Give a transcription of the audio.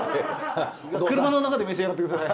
車の中で召し上がって下さい。